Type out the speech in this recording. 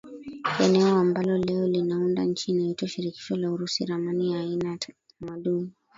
eneo ambalo leo linaunda nchi inayoitwa Shirikisho la UrusiRamani ya aina za utamaduni